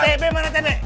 tebek mana tebek